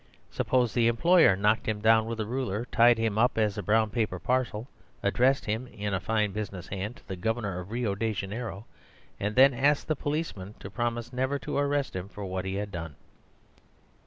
Suppose the employer knocked him down with a ruler, tied him up as a brown paper parcel, addressed him (in a fine business hand) to the Governor of Rio Janeiro and then asked the policeman to promise never to arrest him for what he had done?